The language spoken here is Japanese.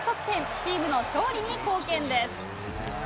チームの勝利に貢献です。